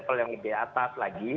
kalau yang lebih atas lagi